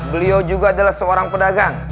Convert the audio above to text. beliau juga adalah seorang pedagang